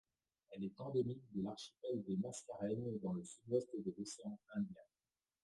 Elle est endémique de l'archipel des Mascareignes, dans le sud-ouest de l'océan Indien.